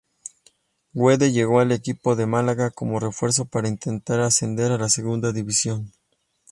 Guede llegó al equipo de Málaga como refuerzo para intentar ascender a Segunda División.